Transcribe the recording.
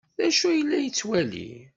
D acu ay la yettwali?